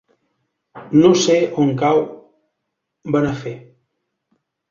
No sé on cau Benafer.